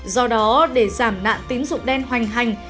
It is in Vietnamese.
do đó để giảm nạn tín dụng đen hoành hành